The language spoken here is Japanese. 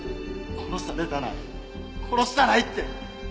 殺されたない殺したないって！